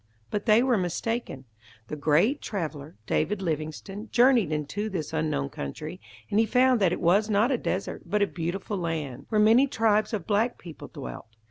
But they were mistaken. The great traveller, David Livingstone, journeyed into this unknown country, and he found that it was not a desert but a beautiful land, where many tribes of black people dwelt.